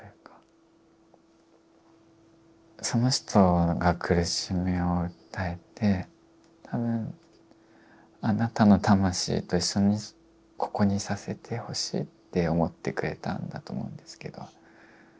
その人が苦しみを訴えて多分あなたの魂と一緒にここにいさせてほしいって思ってくれたんだと思うんですけど